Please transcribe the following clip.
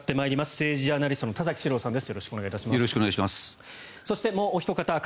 政治ジャーナリストの田崎史郎さんです。